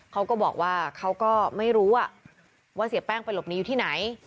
เขาก็บอกว่าเขาก็ไม่รู้ว่าเสียแป้งไปหลบหนีอยู่ที่ไหน